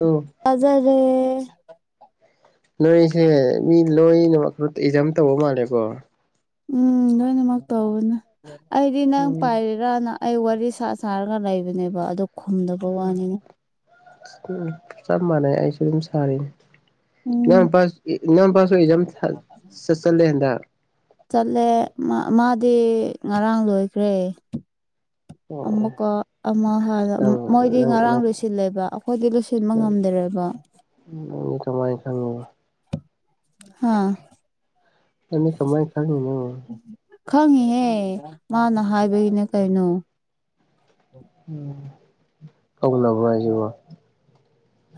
ꯑ [inaudible] ꯇꯖꯔꯦ [inaudible] ꯅꯣꯏꯁꯦ ꯃꯤ ꯂꯣꯏꯅꯃꯛ ꯑꯦꯛꯖꯥꯝ ꯇꯧꯕ ꯃꯥꯜꯂꯦꯀꯣ ꯎꯝ ꯂꯣꯏꯅꯃꯛ ꯇꯋꯅꯦ ꯑꯩꯗꯤ ꯅꯪ ꯎꯝ ꯄꯥꯏꯔꯦ ꯏꯔꯥꯅ ꯑꯩ ꯋꯥꯔꯤ ꯁꯥ ꯁꯥꯔꯒ ꯂꯩꯕꯅꯦꯕ ꯑꯗꯨ ꯈꯨꯝꯗꯕ ꯋꯥꯅꯤꯅ ꯎ ꯆꯞ ꯃꯥꯟꯅꯩ ꯑꯩꯁꯨ ꯑꯗꯨꯝ ꯁꯥꯔꯤꯅꯦ ꯎꯝ ꯏꯅꯎꯨꯄꯥꯁꯨ ꯏꯖꯝ ꯆꯠ ꯆꯜꯂꯦ ꯍꯟꯗꯥꯛ ꯆꯠꯂꯦ ꯃꯥꯗꯤ ꯉꯔꯥꯡ ꯂꯣꯏꯈ꯭ꯔꯦ ꯑꯣ ꯑꯃꯨꯛꯀ ꯑꯃ ꯍꯥꯏ ꯅꯪ ꯃꯣꯏꯗꯤ ꯅꯪ ꯅꯪ ꯉꯔꯥꯡꯗꯣꯏꯁꯦ ꯂꯣꯏ ꯁꯤꯜꯂꯦꯕ ꯑꯩꯈꯣꯏꯗꯤ ꯂꯣꯏꯁꯤꯟꯕ ꯉꯝꯗ꯭ꯔꯦꯕ ꯎ ꯀꯃꯥꯏ ꯈꯪꯉ ꯍꯥꯥ ꯅꯥꯪꯗꯤ ꯀꯃꯥꯏ ꯈꯪꯉꯤꯅꯣ ꯈꯪꯉꯤꯍꯦ ꯃꯥꯅ ꯍꯥꯏꯕꯒꯤꯅꯦ ꯀꯩꯅꯣ ꯎ ꯀꯧꯂꯕ ꯍꯥꯏꯁꯤꯕꯣ [inaudible]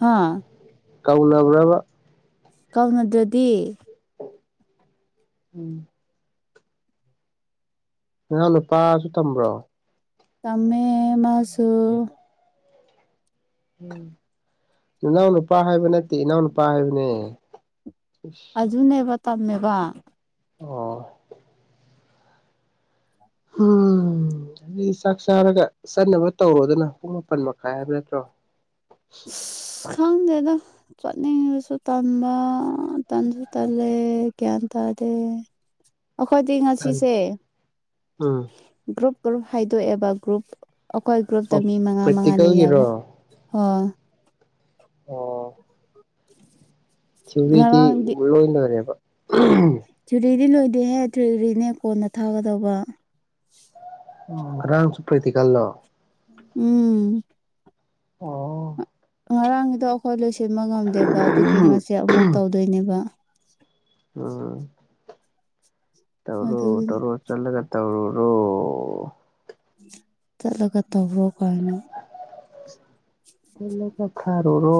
ꯍꯥꯥ ꯀꯥꯎꯅꯕꯔꯕꯥ ꯀꯥꯎꯅꯗ꯭ꯔꯗꯤ ꯎꯝ ꯅꯍꯥꯟ ꯅꯨꯄꯥꯁꯨ ꯇꯝꯕ꯭ꯔꯣ ꯇꯝꯃꯦ ꯃꯥꯁꯨꯁꯨ ꯏꯅꯥꯎ ꯅꯨꯄꯥ ꯍꯥꯏꯕ ꯅꯠꯇꯦ ꯏꯅꯥꯎ ꯅꯨꯄꯥ ꯍꯥꯏꯕꯅꯦ ꯖꯨꯅꯦꯕ ꯇꯝꯃꯦꯕ ꯑꯣ ꯎꯝ ꯍꯥꯏꯗꯤ ꯆꯥꯛ ꯆꯥꯔꯒ ꯆꯠꯅꯕ ꯇꯧꯔꯣꯗꯅ ꯄꯨꯡ ꯃꯥꯄꯟ ꯃꯈꯥꯏ ꯍꯥꯏꯕ ꯅꯠꯇ꯭ꯔꯣ ꯈꯪꯗꯦꯗ ꯆꯠꯅꯤꯡꯁꯨ ꯇꯝꯕ ꯇꯟꯁꯨ ꯇꯜꯂꯦ ꯒ꯭ꯌꯥꯟ ꯇꯥꯔꯦ ꯑꯩꯈꯣꯏ ꯇ ꯊꯟ ꯉꯁꯤꯁꯦ ꯎꯝ ꯒ꯭ꯔꯨꯞ ꯒ꯭ꯔꯨꯞ ꯍꯥꯏꯗꯣꯛꯑꯦꯕ ꯒ꯭ꯔꯨꯞ ꯑꯩꯈꯣꯏ ꯒ꯭ꯔꯨꯞꯇ ꯑꯣ ꯃꯤ ꯃꯉꯥ ꯃꯉꯥꯅꯤ ꯌꯥꯎꯕ ꯄ꯭ꯔꯦꯛꯇꯤꯀꯦꯜꯒꯤꯔꯣ ꯑꯣ ꯑꯣ [unintelligible] ꯊꯔꯤꯗꯤ ꯉꯔꯥꯡꯗꯤ ꯂꯣꯏꯅꯔꯦꯕ ꯊꯨꯔꯤꯗꯤ ꯂꯣꯏꯗꯦꯍꯦ ꯊꯨꯔꯤꯔꯤꯅꯦ ꯀꯣꯟꯅ ꯊꯥꯒꯗꯧꯕ ꯎ ꯔꯝꯁꯨꯄ꯭ꯔꯔꯤꯇ ꯀꯜꯂꯣ ꯎꯝ ꯎꯝ ꯑꯣ ꯉꯔꯥꯡꯒꯤꯗꯣ ꯑꯩꯈꯣꯏ ꯂꯣꯏꯁꯤꯟꯕ ꯉꯝꯗꯦꯕ ꯑꯗꯨꯒꯤ ꯉꯁꯤꯦ ꯑꯃꯨꯛ ꯇꯧꯗꯣꯏꯅꯦꯕ ꯎꯝ ꯇꯧꯔꯣ ꯑꯗꯨꯒꯤꯅꯤ ꯇꯧꯔꯣ ꯆꯠꯂꯒ ꯇꯧꯔꯨꯔꯣ ꯆꯠꯂꯀ ꯇꯕ꯭ꯔꯣ ꯀꯥꯏꯅ ꯊꯥꯔꯨꯔꯣ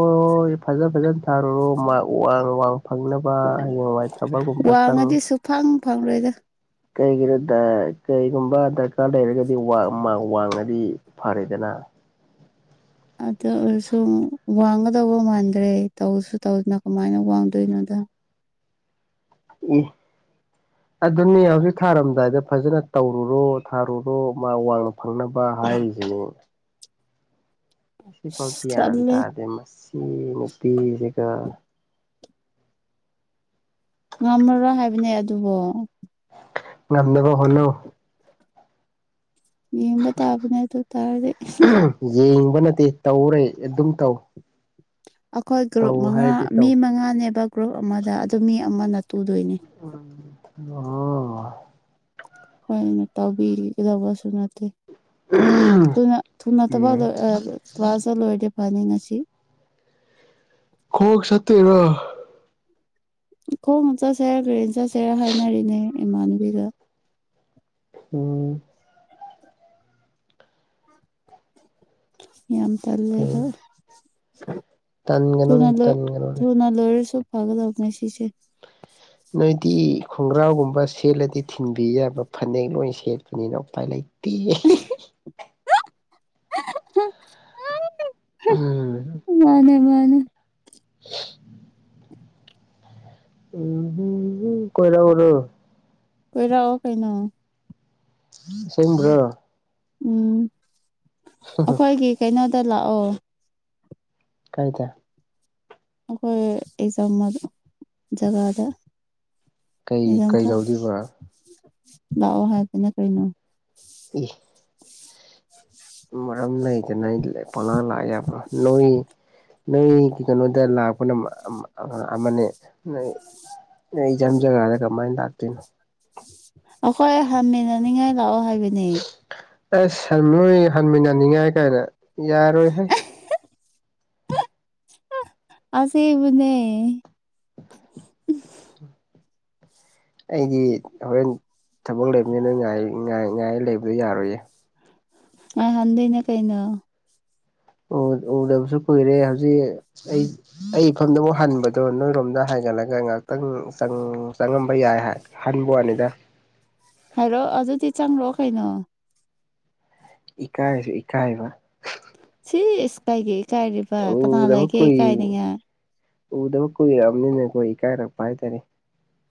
ꯐꯖ ꯐꯖꯅ ꯊꯥꯔꯨꯔꯣ ꯃꯥ ꯋꯥꯡ ꯋꯥꯡ ꯐꯪꯅꯕ ꯍꯌꯦꯡꯋꯥꯏ ꯊꯕꯛꯒꯨꯝꯕ ꯆꯪ ꯋꯥꯡꯉꯗꯤ ꯁꯨ ꯐꯪ ꯐꯪꯪꯂꯣꯏꯗ ꯀꯩꯒꯤꯅꯣ ꯀꯩꯒꯨꯝꯕ ꯗꯔꯀꯥꯔ ꯂꯩꯔꯒꯗꯤ ꯋꯥꯡꯉꯗꯤ ꯐꯥꯔꯦꯗꯅ ꯑꯗꯨ ꯑꯣꯏꯔꯁꯨ ꯋꯥꯡꯒꯗꯧꯕ ꯃꯥꯟꯗ꯭ꯔꯦ ꯇꯧꯁꯨ ꯇꯧꯗꯅ ꯀꯃꯥꯏꯅ ꯋꯥꯡꯗꯣꯏꯅꯣꯗ ꯎꯝ [unintelligible] ꯑꯗꯨꯅꯤ ꯍꯧꯖꯤꯛ ꯊꯥꯔꯝꯗꯥꯏꯗ ꯐꯖꯅ ꯇꯧꯔꯨꯔꯣ ꯊꯥꯔꯨꯔꯣ ꯃꯥ ꯋꯥꯡꯅ ꯐꯪꯅꯕ ꯍꯥꯏꯔꯤꯁꯤꯅꯦ ꯁꯤꯐꯥꯎꯗꯤ ꯍ꯭ꯌꯥꯟ ꯇꯜꯂꯦ ꯇꯥꯔꯗꯦ ꯃꯁꯤ ꯅꯨꯄꯤꯁꯤꯒ ꯉꯝꯃꯔꯣꯏ ꯍꯥꯏꯕꯅꯦ ꯑꯗꯨꯕꯨꯣ ꯉꯥꯟꯗꯕ ꯍꯜꯅꯨ ꯌꯦꯡꯕ ꯇꯥꯕꯅꯦ ꯑꯗꯨ ꯇꯥꯔꯗꯤꯦ ꯌꯦꯡꯕ ꯅꯠꯇꯦ ꯇꯧꯔꯦ ꯑꯗꯨꯝ ꯇꯧ ꯑꯩꯈꯣꯏ ꯇꯧ ꯒ꯭ꯔꯨꯞ ꯃꯉꯥ ꯍꯥꯏꯔꯗꯤ ꯃꯤ ꯇꯧ ꯃꯉꯥꯅꯦꯕ ꯒ꯭ꯔꯨꯞ ꯑꯃꯗ ꯑꯗꯨ ꯃꯤ ꯑꯃꯅ ꯇꯨꯗꯣꯏꯅꯤ ꯎ ꯑꯣ ꯍꯣꯏꯅ ꯇꯧꯕꯕꯤꯒꯗꯕꯁꯨ ꯅꯠꯇꯦ ꯊꯨꯅ ꯎꯝ ꯊꯕꯛ ꯀ꯭ꯂꯥꯁꯇ ꯂꯣꯏꯔꯦ ꯐꯅꯤ ꯉꯁꯤ ꯈꯣꯒ ꯁꯠꯇꯦꯔꯣ ꯈꯣꯡ ꯆꯠꯁꯦꯔꯥ ꯀꯨꯔꯦꯟ ꯆꯠꯁꯦꯔ ꯍꯥꯏꯅꯔꯤꯅꯦ ꯏꯃꯥꯟꯅꯕꯤꯒ ꯎꯝ ꯌꯥꯝ ꯇꯜꯂꯦꯕ ꯐꯩꯅꯦ ꯇꯟꯒꯅꯨꯅꯦ ꯊꯨꯅ ꯂꯣꯏ ꯇꯟꯒꯅꯨꯅꯦ ꯊꯨꯅ ꯂꯣꯏꯔꯁꯨ ꯁꯋꯥꯒꯗ ꯑꯣꯛꯅꯦꯁꯤꯁꯦ ꯅꯣꯏꯗꯤ ꯈꯣꯡꯒ꯭ꯔꯥꯎꯒꯨꯝꯕ ꯁꯦꯠꯂꯗꯤ ꯊꯤꯟꯕꯤ ꯌꯥꯕ ꯐꯅꯦꯛ ꯂꯣꯏ ꯁꯦꯠꯄꯅꯤꯅ ꯎꯄꯥꯏ ꯂꯩꯇꯦ ꯇ ꯎꯝ ꯃꯥꯅꯦ ꯃꯥꯅꯦ [unintelligible] ꯎ ꯎ ꯀꯣꯏꯔꯥꯕꯨꯣ ꯑꯩꯈꯣꯏ ꯔꯑꯣꯣ ꯀꯩꯅ ꯁꯦꯝ꯭ꯔꯣ ꯎꯝ ꯑꯩꯈꯣꯏꯒꯤ ꯀꯩꯅꯣꯗ ꯂꯥꯛꯑꯣ ꯀꯥꯏꯗ ꯑꯩꯈꯣꯏ ꯑꯦꯛꯖꯥꯝ ꯖꯒꯥꯗ ꯀꯩ ꯑꯩꯝꯇ ꯀꯩꯗꯧꯗꯣꯏꯕ ꯂꯥꯛꯑꯣ ꯍꯥꯏꯗꯅ ꯀꯩꯅꯣ ꯎꯝ ꯃꯔꯝ ꯂꯩꯗꯅ ꯄꯅꯥ ꯂꯥꯛꯑꯦꯕ꯭ꯔꯥ ꯅꯣꯏ ꯅꯣꯏ ꯀ ꯀꯩꯅꯣꯗ ꯂꯥꯛꯄꯅ ꯑꯃꯅꯦ ꯅꯣꯏ ꯖꯝꯖꯒꯒꯥꯗꯦ ꯀꯃꯥꯏꯅ ꯂꯥꯛꯇꯅꯣ ꯑꯩꯈꯣꯏ ꯍꯝꯃꯤꯅꯅꯤꯡꯉꯥꯏ ꯂꯥꯛꯑꯣ ꯍꯥꯏꯕꯅꯦ ꯑꯁꯟ ꯅꯣꯏ ꯍꯟꯃꯤꯟꯅꯅꯤꯡꯉꯥꯏ ꯀꯥꯏꯅ ꯌꯥꯔꯣꯏꯍꯩ ꯑꯁꯕꯨꯅꯦ ꯑꯩꯗꯤ ꯍꯣꯔꯦꯟ ꯊꯕꯛ ꯂꯩꯕꯅꯤꯅ ꯉꯥꯏ ꯂꯩꯕꯗꯣ ꯌꯥꯔꯣꯏꯌꯦ ꯑ ꯍꯟꯗꯅꯦ ꯀꯩꯅꯩꯅꯣ ꯎꯗꯕꯁꯨ ꯀꯨꯏꯔꯦ ꯍꯧꯖꯤꯛ ꯑꯩ ꯑꯩ ꯏꯐꯝꯗꯕꯨꯛ ꯍꯟꯕꯗꯣ ꯅꯣꯏꯔꯣꯝꯗ ꯍꯥꯏꯒꯠꯂꯒ ꯉꯍꯥꯛꯇꯪ ꯆꯪꯉꯝꯕ ꯌꯥꯏ ꯍꯥꯏ ꯍꯟꯥꯟꯕ ꯋꯥꯅꯤꯗ ꯍꯥꯏꯂꯣ ꯑꯗꯨꯗꯤ ꯆꯪꯂꯛꯑꯣ ꯀꯩꯅꯣ ꯏꯀꯥꯏ ꯍꯥꯏꯁ ꯏꯀꯥꯏꯕ ꯁꯤ ꯏꯁ ꯀꯥꯏꯒꯦ ꯏꯀꯥꯏꯔꯤꯕ ꯀꯅꯥ ꯎꯗꯕ ꯂꯩꯒꯦ ꯀꯨꯏ ꯏꯀꯥꯏꯅꯤꯡꯉꯦ ꯎꯗꯕ ꯀꯨꯏꯔꯛꯑꯕꯅꯤꯅ ꯑꯩꯈꯣꯏ ꯏꯀꯥꯏꯔꯛꯄ ꯍꯥꯏꯇꯥꯔꯦ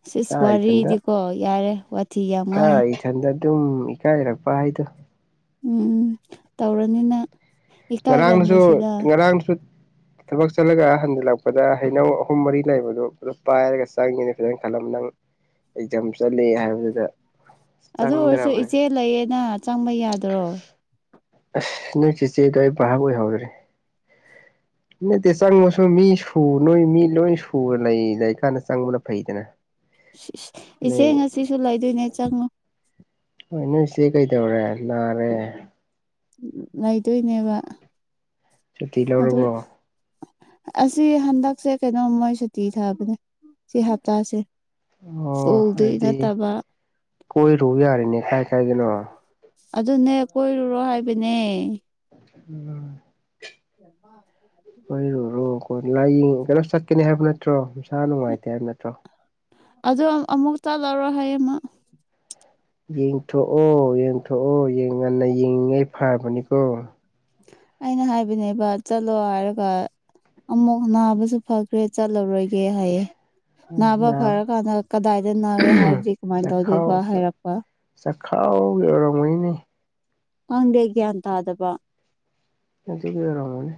ꯁꯤꯁ ꯏꯁꯥ ꯏꯊꯟꯇ ꯋꯥꯔꯤꯗꯤꯀꯣ ꯌꯥꯔꯦ ꯋꯥꯊꯤ ꯌꯥꯝ ꯋꯥꯡꯉꯤ ꯏꯊꯟꯗ ꯑꯗꯨꯝ ꯏꯀꯥꯏꯔꯛꯄ ꯍꯥꯏꯗꯣ ꯎꯝ ꯇꯧꯔꯅꯤꯅ ꯉꯔꯥꯡꯁꯨ ꯉꯔꯥꯡꯁꯨ ꯊꯕꯛ ꯆꯠꯂꯒ ꯍꯟꯖꯤꯜꯂꯛꯄꯗ ꯍꯩꯅꯧ ꯑꯍꯨꯝ ꯃꯔꯤ ꯂꯩꯕꯗꯣ ꯑꯗꯨ ꯄꯥꯏꯔꯒ ꯆꯪꯉꯤꯅꯤ ꯐꯖꯅ ꯈꯜꯂꯝꯕ ꯅꯪ ꯑꯦꯛꯖꯥꯝ ꯆꯠꯂꯤ ꯍꯥꯏꯕꯗꯨꯗ ꯑꯗꯨ ꯑꯣꯏꯔꯁꯨ ꯆꯪꯗ꯭ꯔꯕꯅꯦ ꯏꯆꯦ ꯂꯩꯌꯦꯅ ꯆꯪꯕ ꯌꯥꯗ꯭ꯔꯣ ꯑꯁ ꯅꯪ ꯆꯤꯆꯦꯗꯣ ꯑꯩ ꯕꯍꯥꯛ ꯑꯣꯏꯍꯧꯗ꯭ꯔꯦ ꯅꯠꯇꯦ ꯆꯪꯕꯁꯨ ꯃꯤ ꯁꯨ ꯅꯣꯏ ꯃꯤ ꯂꯣꯏ ꯁꯨꯔ ꯂꯩꯗ ꯀꯥꯟꯗ ꯆꯪꯕꯗ ꯐꯩꯗꯅ ꯏꯆꯦ ꯅꯣꯏ ꯉꯁꯨ ꯂꯩꯗꯣꯏꯅꯦ ꯆꯪꯉꯣ ꯍꯣꯏ ꯅꯣꯏꯁꯦ ꯀꯩꯗꯧꯔꯦ ꯅꯥꯔꯦ ꯂꯩꯗꯣꯏꯅꯦꯕ ꯁꯨꯇꯤ ꯑꯗꯨ ꯂꯧꯔꯕꯣ ꯑꯁꯤ ꯍꯟꯗꯛꯁꯦ ꯀꯩꯅꯣꯝ ꯃꯣꯏ ꯁꯨꯇꯤ ꯊꯥꯕꯅꯦ ꯁꯤ ꯍꯞꯇꯥꯁꯦ ꯑꯣ ꯍꯗꯤ ꯑꯗꯨꯗꯤ ꯅꯠꯇꯕ ꯀꯣꯏꯔꯨ ꯌꯥꯔꯦꯅꯦ ꯀꯥꯏ ꯀꯥꯏꯗꯅꯣ ꯑꯗꯨꯅꯦ ꯀꯣꯏꯔꯨꯔꯣ ꯍꯥꯏꯕꯅꯦ ꯎꯝ ꯃ ꯀꯔꯨꯔꯣ ꯑꯩꯈꯣꯏ ꯂꯥꯏꯌꯦꯡ ꯀꯩꯅꯣ ꯆꯠꯀꯅꯤ ꯍꯥꯏꯕ ꯅꯠꯇ꯭ꯔꯣ ꯅꯨꯡꯁꯥ ꯅꯨꯡꯉꯥꯏꯇꯦ ꯍꯥꯏꯕ ꯅꯠꯇ꯭ꯔꯣ ꯑꯗ ꯑꯃꯨꯛ ꯆꯠꯂꯔꯣ ꯍꯥꯏꯌꯦꯃ ꯌꯦꯡꯊꯣꯛꯑꯣ ꯌꯦꯡꯊꯣꯛꯑꯣ ꯉꯟꯅ ꯌꯦꯡꯤꯉꯩ ꯐꯔꯕꯅꯤꯀꯣ ꯑꯩꯅ ꯍꯥꯏꯕꯅꯦꯕ ꯆꯠꯂꯣ ꯍꯥꯏꯔꯒ ꯑꯃꯨꯛ ꯅꯥꯕꯁꯨ ꯐꯈꯤ ꯀ꯭ꯔꯦ ꯆꯠꯂꯔꯣꯏꯒꯦ ꯍꯥꯏꯌꯦ ꯅꯥꯕ ꯐꯔ ꯀꯥꯟꯗ ꯀꯗꯥꯏꯗ ꯅꯥꯒꯦ ꯍꯥꯏꯔꯗꯤ ꯀꯃꯥꯏꯅ ꯇꯧꯗꯣꯏꯕ ꯍꯥꯏꯔꯛꯄ ꯆꯥꯛꯈꯥꯎꯒꯦ ꯑꯣꯏꯔꯝꯉꯩꯅꯦ ꯈꯪꯗꯦ ꯒ꯭ꯌꯥꯟ ꯇꯥꯗꯕ ꯑꯗꯨꯒꯤ ꯑꯣꯏꯔꯝꯅꯤ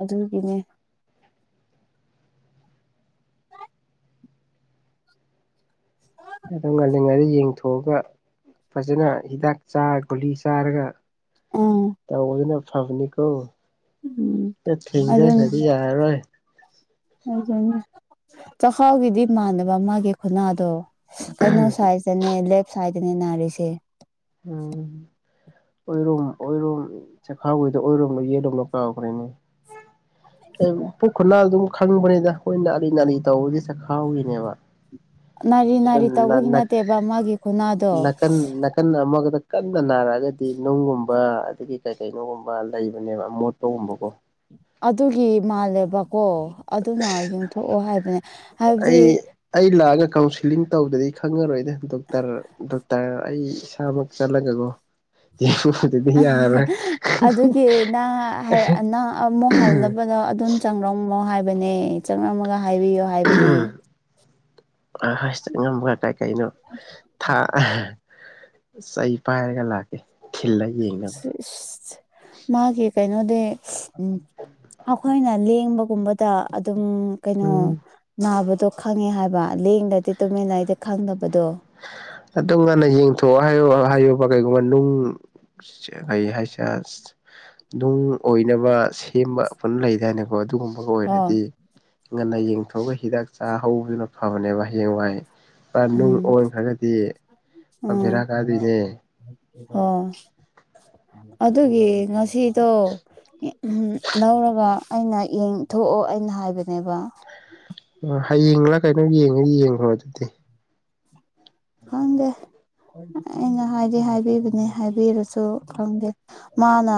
ꯑꯗꯨꯒꯤꯅꯦ ꯑꯗꯨ ꯉꯥꯜꯂꯤꯉꯩꯗ ꯌꯦꯡꯊꯣꯛꯑꯒ ꯐꯖꯅ ꯍꯤꯗꯥꯛ ꯆꯥꯔ ꯒꯨꯂꯤ ꯆꯥꯔꯒ ꯎꯝ ꯇꯧꯕꯁꯤꯅ ꯐꯕꯅꯤꯀꯣ ꯎꯝ ꯑꯦ ꯊꯦꯡꯖꯤꯜꯂꯗꯤ ꯑꯗꯨꯅꯦ ꯍꯥꯏꯗꯤ ꯌꯥꯔꯔꯣꯏ ꯑꯗꯨꯅꯦ ꯆꯈꯥꯎꯒꯤꯗꯤ ꯃꯥꯟꯗꯕ ꯃꯥꯒꯤ ꯈꯨꯟꯅꯥꯗꯣ ꯀꯩꯅꯣ ꯁꯥꯏꯗꯅꯦ ꯂꯦꯞ ꯁꯥꯏꯗꯅꯦ ꯅꯥꯔꯤꯁꯦ ꯎꯝ ꯑꯣꯏꯔꯣꯝ ꯑꯣꯏꯔꯣꯝ ꯆꯈꯥꯎꯒꯤꯗꯣ ꯑꯣꯏꯔꯣꯝꯗꯔꯣ ꯌꯦꯠꯂꯣꯝꯗꯔꯣ ꯀꯥꯎꯈꯔꯦꯅꯦ ꯄꯨꯛ ꯈꯨꯅ ꯑꯗꯨꯝ ꯈꯪꯕꯅꯤꯅ ꯑꯩꯈꯣꯏꯅ ꯅꯥꯔꯤ ꯅꯥꯔꯤ ꯇꯧꯕꯗꯤ ꯆꯥꯛꯈꯥꯎ ꯒꯤꯅꯦꯕ ꯅꯥꯔꯤ ꯅꯥꯔꯤ ꯇꯧꯕꯒꯤ ꯅꯠꯇꯦꯕ ꯃꯥꯒꯤ ꯈꯨꯅꯥꯗꯣ ꯅꯀꯟ ꯅꯀꯟ ꯀꯟꯅ ꯑꯃꯒꯗ ꯀꯟꯅ ꯅꯥꯔꯛꯑꯒꯗꯤ ꯅꯨꯡꯒꯨꯝꯕ ꯑꯗꯒꯤ ꯀꯩ ꯀꯩꯅꯣꯒꯨꯝꯕ ꯂꯩꯕꯅꯦꯕ ꯑꯃꯣꯠꯄꯒꯨꯝꯕꯀꯣ ꯑꯗꯨꯒꯤ ꯃꯥꯜꯂꯦꯕꯀꯣ ꯑꯗꯨꯅ ꯌꯦꯡꯊꯣꯛꯑꯣ ꯍꯥꯏꯕꯅꯦ ꯍꯥꯏꯕꯗꯤ ꯑꯩ ꯑꯩ ꯂꯥꯛꯑꯒ ꯀꯥꯎꯟꯁꯤꯂꯤꯡ ꯇꯧꯗꯔꯗꯤ ꯈꯪꯉꯔꯣꯏꯅꯦ ꯗꯣꯛꯇꯔ ꯗꯣꯛꯇꯔ ꯑꯩ ꯏꯁꯥꯃꯛ ꯆꯠꯂꯒꯒꯣ ꯌꯦꯡꯗꯔꯗꯤ ꯌꯥꯔꯔꯣꯏ ꯑꯗꯨꯒꯤ ꯆꯠꯄꯗꯣ ꯑꯗꯨꯝ ꯆꯪꯂꯝꯃꯣ ꯍꯥꯏꯕꯅꯦ ꯆꯪꯂꯝꯃꯒ ꯍꯥꯏꯕꯤꯌꯣ ꯍꯥꯏꯕꯅꯦ ꯍꯁ ꯑꯉꯝꯕ ꯀꯥꯏ ꯀꯩꯅꯣ ꯊꯥ ꯆꯩ ꯄꯥꯏꯔꯒ ꯂꯥꯛꯀꯦ ꯊꯤꯜꯂ ꯌꯦꯡꯅꯕ ꯏꯁ ꯃꯥꯒꯤ ꯀꯩꯅꯣꯗꯤ ꯏꯁ ꯃꯈꯣꯏꯅ ꯂꯦꯡꯕꯒꯨꯝꯕꯗ ꯑꯗꯨꯝ ꯀꯩꯅꯣ ꯎꯝ ꯅꯥꯕꯗꯣ ꯈꯪꯉꯦ ꯍꯥꯏꯕ ꯂꯦꯡꯗꯗꯤ ꯇꯨꯃꯤꯟꯅ ꯑꯩꯗꯤ ꯈꯪꯗꯕꯗꯣ ꯑꯗꯨ ꯉꯟꯅ ꯌꯦꯡꯊꯣꯛꯑꯣ ꯍꯥꯏꯌꯣ ꯍꯥꯏꯌꯣꯕ ꯀꯩꯒꯨꯝꯕ ꯅꯨꯡ ꯒꯩ ꯍꯥꯏ ꯆ [inaudible] ꯅꯨꯡ ꯑꯣꯏꯅꯕ ꯁꯦꯝꯕ ꯃꯐꯝ ꯂꯩꯗꯥꯏꯅꯦꯀꯣ ꯑꯗꯨꯒꯨꯝꯕ ꯍꯣꯏ ꯑꯣꯏꯔꯗꯤ ꯉꯟꯅ ꯌꯦꯡꯊꯣꯛꯑꯒ ꯍꯤꯗꯥꯛ ꯆꯥ ꯍꯧꯕꯗꯨꯅ ꯐꯕꯅꯦꯕ ꯍꯌꯦꯡ ꯋꯥꯏ ꯃꯥ ꯅꯨꯡ ꯎꯝ ꯑꯣꯟꯈ꯭ꯔꯒꯗꯤ ꯄꯨꯔꯥ ꯕꯦꯔꯥ ꯀꯥꯗꯣꯏꯅꯦ ꯑꯣ ꯑꯗꯨꯒꯤ ꯉꯁꯤꯗꯣ ꯎꯝ ꯂꯧꯔꯒ ꯑꯩꯅ ꯌꯦꯡ ꯊꯣꯛꯑꯣ ꯑꯩꯅ ꯍꯥꯏꯕꯅꯦꯕ ꯑꯣ ꯍꯌꯦꯡꯂ ꯀꯩꯅꯣ ꯌꯦꯡꯒꯦ ꯌꯦꯡꯈ꯭ꯔꯣ ꯑꯗꯨꯗꯤ ꯈꯪꯗꯦ ꯑꯩꯅ ꯍꯥꯏꯗꯤ ꯍꯥꯏꯕꯤꯕꯅꯤ ꯍꯥꯏꯕꯤꯔꯁꯨ ꯈꯪꯗꯦ ꯃꯥꯅ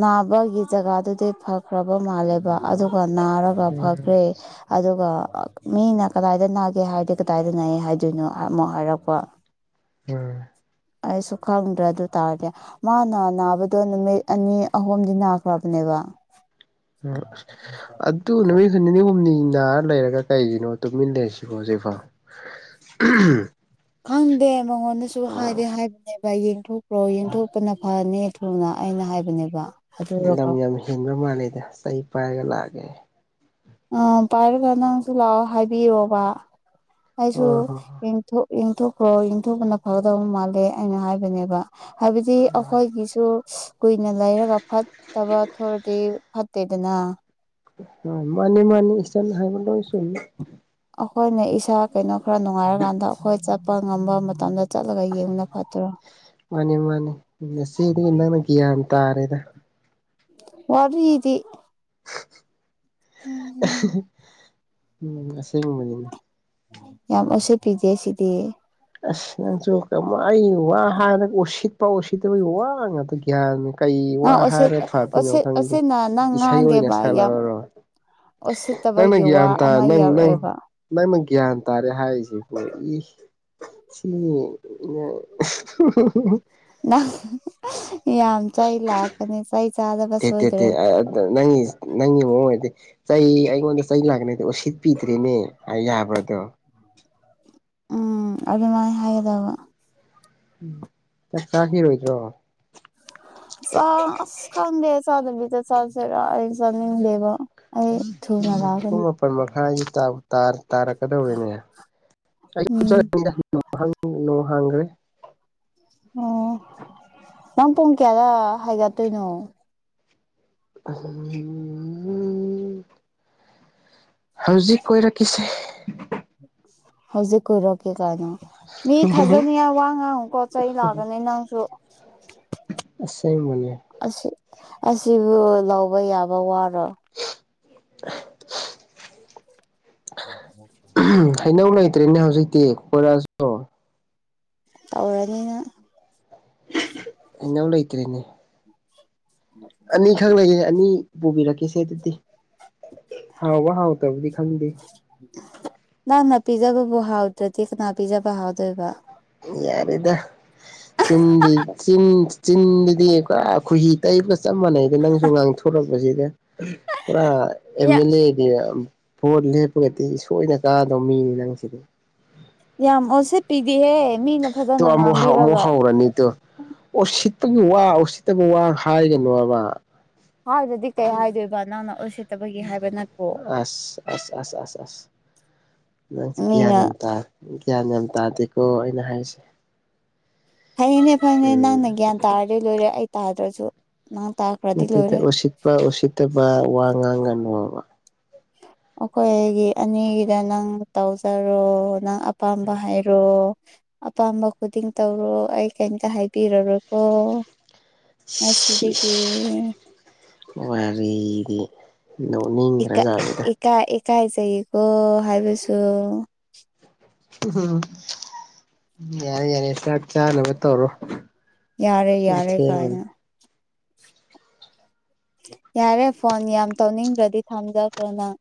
ꯅꯥꯕꯒꯤ ꯖꯒꯥꯗꯨꯗꯤ ꯐꯈ꯭ꯔꯕ ꯃꯥꯜꯂꯦꯕ ꯑꯗꯨꯒ ꯅꯥꯔꯒ ꯎꯝ ꯐꯒ꯭ꯔꯦ ꯑꯗꯨꯒ ꯃꯤꯅ ꯀꯗꯥꯏꯗ ꯅꯥꯒꯦ ꯍꯥꯏꯔꯗꯤ ꯀꯗꯥꯏꯗ ꯅꯥꯏ ꯍꯥꯏꯗꯣꯏꯅꯣ ꯑꯃꯨꯛ ꯍꯥꯏꯔꯛꯄ ꯎꯝ ꯑꯩꯁꯨ ꯈꯪꯗ꯭ꯔꯦ ꯑꯗꯨ ꯇꯥꯔꯗꯤ ꯃꯥꯅ ꯅꯥꯕꯗꯣ ꯅꯨꯃꯤꯠ ꯑꯅꯤ ꯑꯍꯨꯝꯗꯤ ꯅꯥꯈ꯭ꯔꯕꯅꯦꯕ ꯎꯝ ꯑꯗꯨ ꯅꯨꯃꯤꯠ ꯅꯤꯅꯤ ꯍꯨꯝꯅꯤꯗ ꯅꯥꯔꯒ ꯂꯩꯔ ꯀꯩꯒꯤꯅꯣ ꯇꯨꯃꯤꯟꯅ ꯂꯩꯔꯤ ꯁꯤꯕꯣ ꯍꯧꯖꯤꯛꯐꯥꯎ ꯈꯪꯗꯦ ꯃꯉꯣꯟꯗꯁꯨ ꯍꯥꯏꯗꯤ ꯂꯝ ꯍꯥꯏꯕꯅꯦ ꯅꯦꯕ ꯌꯦꯡꯊꯣꯛꯔꯣ ꯌꯦꯡꯊꯣꯛꯇꯅ ꯐꯅꯤ ꯊꯨꯅ ꯑꯩꯅ ꯍꯥꯏꯕꯅꯦꯕ ꯑꯗꯨꯒ ꯂꯝ ꯌꯥꯝ ꯍꯦꯟꯕ ꯃꯥꯜꯂꯦꯗ ꯆꯩ ꯄꯥꯏꯔꯒ ꯂꯥꯛꯑꯒꯦ ꯎꯝ ꯄꯥꯏꯔꯒ ꯅꯪꯁꯨ ꯂꯥꯛꯑꯣ ꯍꯥꯏꯕꯤꯌꯣꯕ ꯑꯩꯁꯨ ꯍꯣꯏ ꯍꯣꯏ ꯌꯦꯡ ꯌꯦꯡꯊꯣꯛꯈ꯭ꯔꯣ ꯌꯦꯡꯊꯣꯛꯄꯅ ꯐꯒꯗꯕ ꯃꯥꯜꯂꯦ ꯑꯩꯅ ꯍꯥꯏꯕꯅꯦꯕ ꯍꯥꯏꯕꯗꯤ ꯑꯩꯈꯣꯏꯒꯤꯁꯨ ꯀꯨꯏꯅ ꯂꯩꯔꯒ ꯐꯠꯇꯕ ꯊꯣꯛꯑꯗꯤ ꯐꯠꯇꯦꯗꯅ ꯎꯝ ꯃꯥꯅꯤ ꯃꯥꯅꯤ ꯏꯆꯥꯟꯅ ꯍꯥꯏꯕ ꯂꯣꯏꯅ ꯆꯨꯝꯃꯤ ꯑꯩꯈꯣꯏꯅ ꯏꯁꯥ ꯀꯩꯅꯣ ꯈꯔ ꯅꯨꯡꯉꯥꯏꯔꯀꯥꯟꯗ ꯑꯩꯈꯣꯏ ꯆꯠꯄ ꯉꯝꯕ ꯃꯇꯝꯗ ꯆꯠꯂꯒ ꯌꯦꯡꯕꯅ ꯐꯠꯇꯔꯣ ꯃꯥꯅꯤ ꯃꯥꯅꯤ ꯅꯆꯦꯗꯩ ꯅꯪꯅ ꯒꯌꯥꯟ ꯇꯥꯔꯦꯗ ꯋꯥꯔꯤꯗꯤ ꯎꯝ ꯎꯝ ꯑꯁꯦꯡꯕꯅꯤꯅꯦ ꯌꯥꯝ ꯑꯁꯤꯠꯕꯤꯗꯦ ꯁꯤꯗꯤ ꯑꯁ ꯅꯪꯁꯨ ꯀꯃꯥꯢ ꯑꯩ ꯋꯥ ꯍꯥꯏꯅ ꯎꯁꯤꯠꯄ ꯎꯁꯤꯠꯇꯕꯒꯤ ꯋꯥ ꯉꯥꯛꯇ ꯒ꯭ꯌꯥꯟ ꯀꯩ ꯋꯥ ꯅꯪ ꯎꯁꯤꯠ ꯍꯥꯏꯔ ꯐꯗꯣꯏꯅꯣ ꯎꯁꯤꯠ ꯈꯪꯗꯦ ꯎꯁꯤꯠꯅ ꯅꯪ ꯏꯁꯩ ꯑꯣꯏꯅ ꯁꯛꯂꯛꯑꯔꯣ ꯑꯣꯠꯁꯤꯠꯇꯕꯒꯤ ꯋꯥ ꯑꯃ ꯅꯪ ꯌꯥꯎꯔꯛꯑꯦꯕ ꯅꯪꯅ ꯒ꯭ꯌꯥꯟ ꯇꯥꯔꯦ ꯍꯥꯏꯔꯤꯁꯤꯕꯨ ꯁꯤ ꯅꯪ ꯌꯥꯝ ꯆꯩ ꯂꯥꯛꯀꯅꯤ ꯆꯩ ꯆꯒ ꯊ [inaudible] ꯊꯦ ꯅꯪ ꯅꯪꯒꯤ ꯃꯑꯣꯡ ꯑꯣꯏꯗꯤ ꯆꯩ ꯑꯩꯉꯣꯟꯗ ꯆꯩ ꯂꯥꯛꯒꯅꯤ ꯎꯁꯤꯠꯄꯤꯗ꯭ꯔꯦꯅꯦ ꯍꯤꯢ ꯌꯥꯕ꯭ꯔꯗꯣ ꯎꯝ ꯑꯗꯨꯃꯥꯏꯅ ꯍꯥꯏꯒꯗꯕ ꯎ ꯆꯥꯈꯤ ꯑꯣꯏꯣꯏꯇ꯭ꯔꯣ ꯆꯥꯁ ꯈꯥꯟꯗꯦ ꯆ ꯑꯗꯨꯕꯤꯗ ꯆꯁꯔ ꯆꯗꯦꯕ ꯄꯨꯡ ꯃꯥꯄꯜ ꯃꯈꯥꯏꯁꯤ ꯇꯥꯔꯛ ꯀꯗꯧꯔꯤꯅꯦ ꯎꯝ ꯑꯩ ꯅꯣꯡ ꯍꯥꯡꯈ꯭ꯔꯦ ꯑꯣ ꯅꯪ ꯄꯨꯡ ꯀꯌꯥꯗ ꯍꯥꯏꯒꯠꯇꯣꯏꯅꯣ ꯑ ꯍꯧꯖꯤꯛ ꯀꯣꯏꯔꯛꯈꯤꯁꯦ [unintelligible] ꯍꯧꯖꯤꯛ ꯀꯔꯛꯀꯦ ꯀꯅꯣ ꯃꯤ ꯊꯥꯖꯅꯤꯉ ꯋꯥ ꯉꯥꯡꯉꯨꯀꯣ ꯆꯩ ꯂꯥꯛꯑꯒꯅꯤ ꯅꯪꯁꯨ ꯁꯦꯡ ꯃꯅꯦ ꯑꯁꯤ ꯑꯁꯤꯕꯨ ꯂꯧꯕ ꯌꯥꯕ ꯋꯥꯔꯣ [unintelligible] ꯎ ꯑꯣꯏ ꯍꯩꯅꯧ ꯂꯩꯇ꯭ꯔꯦꯅꯦ ꯍꯧꯖꯤꯛꯇꯤ ꯀꯣꯏꯔꯁꯨ ꯇꯧꯔꯅꯤꯅ ꯑꯩꯅꯧ ꯂꯩꯇ꯭ꯔꯦꯅꯦ ꯎꯝ ꯑꯅꯤꯈꯛ ꯂꯩꯒꯦ ꯑꯅꯤ ꯄꯨꯕꯤꯔꯛꯀꯁꯦ ꯑꯗꯨꯗꯤ ꯍꯥꯎꯕ ꯍꯥꯎꯇꯕꯨꯗꯤ ꯈꯪꯗꯦ ꯅꯪꯅ ꯄꯤꯖꯕꯕꯨ ꯍꯥꯎꯗ꯭ꯔꯗꯤ ꯀꯅꯥ ꯄꯤꯖꯕ ꯍꯥꯎꯗꯣꯏꯕ ꯌꯥꯔꯗ ꯆ ꯆ ꯆꯤꯟꯗꯗꯤ ꯄꯨꯔ ꯈꯨꯍꯤ ꯇꯩꯕ ꯆꯞ ꯃꯥꯟꯅꯩ ꯅꯪꯁꯨ ꯉꯥꯡꯊꯣꯔꯛꯄꯁꯤꯗ ꯄꯨꯔꯥ ꯑ ꯑꯦꯜ ꯌꯥ ꯑꯦ ꯍꯥꯏꯗꯤ ꯚꯣꯠ ꯂꯦꯞꯄꯒꯗꯤ ꯁꯣꯏꯅ ꯀꯥꯗꯧ ꯃꯤꯅꯤ ꯅꯪꯁꯤꯗꯤ ꯌꯥꯝꯃ ꯑꯣꯁꯦ ꯄꯤꯗꯤꯍꯦ ꯇꯣ ꯑꯃꯨꯛ ꯍꯥꯎ ꯑꯃꯨꯛ ꯍꯧꯔꯅꯤ ꯇꯣ ꯎꯁꯤꯠꯇꯒꯤ ꯋꯥ ꯎꯁꯤꯠꯇꯒꯤ ꯋꯥ ꯍꯥꯏꯒꯅꯣꯕ ꯍꯥꯎꯗ ꯑꯗꯨꯗꯤꯛ ꯀꯩ ꯍꯥꯏꯗꯣꯏ ꯏꯕ ꯅꯥꯟ ꯑꯣ ꯑꯁ ꯑꯁ ꯑꯁ ꯑꯁ ꯑ ꯅꯪ ꯭ꯌꯥ ꯃꯤꯅ ꯅꯦꯝ ꯇꯥ ꯒ꯭ꯌꯥꯟ ꯌꯥꯝ ꯇꯥꯗꯦꯀꯣ ꯑꯩꯅ ꯍꯥꯏꯔꯤꯁꯦ ꯐꯩꯅꯦ ꯐꯩꯅꯦ ꯅꯪꯅ ꯎꯝ ꯒ꯭ꯌꯥꯟ ꯇꯥꯔꯗꯤ ꯂꯣꯏꯔꯦ ꯑꯩ ꯇꯥꯗ꯭ꯔꯁꯨ ꯅꯪ ꯇꯥꯈ꯭ꯔꯦ ꯅꯇꯩꯦ ꯎꯁꯤꯠꯄ ꯎꯁꯤꯠꯇꯕ ꯋꯥ ꯉꯥꯡꯒꯅꯨꯕ ꯑꯩꯈꯣꯏꯒꯤ ꯑꯅꯤꯒꯤꯗ ꯅꯪ ꯇꯧꯖꯔꯣ ꯅꯪ ꯑꯄꯥꯝꯕ ꯍꯥꯏꯩꯔꯣ ꯑꯄꯥꯝꯕ ꯈꯨꯗꯤꯡ ꯇꯧꯔꯣ ꯑꯩ ꯀꯩꯝꯇ ꯍꯥꯏꯕꯤꯔꯔꯣꯏꯀꯣ ꯑ ꯁꯤꯔꯒ ꯋꯥꯔꯤꯗꯤ ꯅꯣꯛꯅꯤꯡꯈ꯭ꯔꯖꯥꯠꯕꯗ ꯏꯀꯥꯏꯖꯩꯌꯦꯀꯣ ꯍꯥꯏꯕꯁꯨ ꯝ ꯌꯥꯔꯦ ꯌꯥꯔꯦ ꯆꯥꯛ ꯆꯥꯅꯕ ꯇꯧꯔꯣ ꯌꯥꯔꯦ ꯌꯥꯔꯦ ꯊꯦꯡꯉꯅꯤ ꯀꯥꯏꯅ ꯌꯥꯔꯦ ꯐꯣꯟ ꯌꯥꯝ ꯇꯧꯅꯤꯡꯗ꯭ꯔꯗꯤ ꯊꯝꯖꯈ꯭ꯔꯣꯅꯪ